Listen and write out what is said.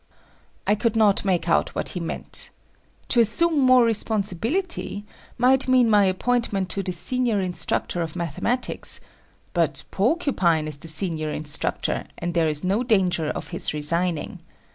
I could not make out what he meant. To assume more responsibility might mean my appointment to the senior instructor of mathematics, but Porcupine is the senior instructor and there is no danger of his resigning.